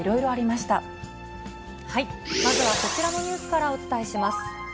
まずはこちらのニュースからお伝えします。